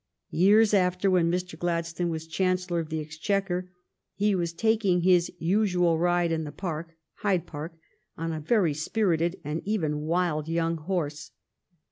Years after, when Mr. Gladstone was Chancellor of the Ex chequer, he was taking his usual ride in the park — Hyde Park — on a very spirited and even wild young horse.